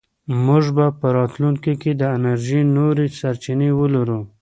موږ به په راتلونکي کې د انرژۍ نورې سرچینې ولرو.